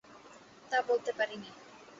তা বলতে পারি নে।